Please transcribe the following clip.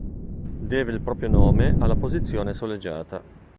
Deve il proprio nome alla posizione soleggiata.